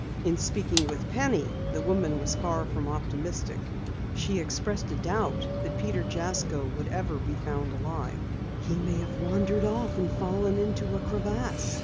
In speaking with Penny, the woman was far from optimistic. She expressed a doubt that Peter Jasko ever would be found alive. "He may have wandered off and fallen into a crevasse."